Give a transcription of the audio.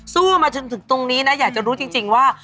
สู้มาจนถึงตรงนี้นะอยากจะรู้จริงว่า